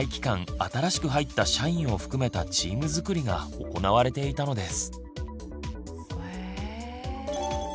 新しく入った社員を含めたチーム作りが行われていたのです。